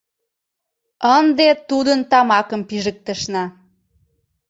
Ынде тудын тамакым пижыктышна.